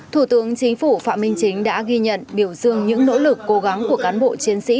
thủ tướng chính phủ phạm minh chính đã ghi nhận biểu dương những nỗ lực cố gắng của cán bộ chiến sĩ